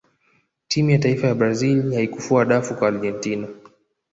timu ya taifa ya brazil haikufua dafu kwa argentina